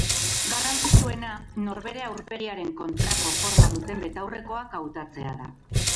Garrantzitsuena norbere aurpegiaren kontrako forma duten betaurrekoak hautatzea da.